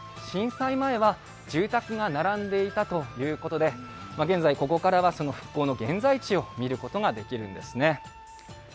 震災前は住宅が並んでいたということで、現在、ここからは復興の現在地を見ることができるんですね。